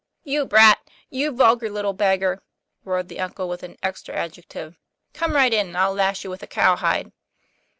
"You brat! you vulgar little beggar," roared the uncle, with an extra adjective, "come right in, and I'll lash you with a cowhide."